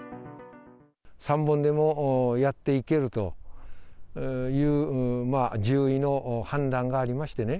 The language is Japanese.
３本でもやっていけるという獣医の判断がありましてね。